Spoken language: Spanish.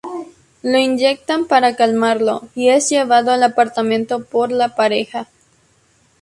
Lo inyectan para calmarlo y es llevado al apartamento por la pareja.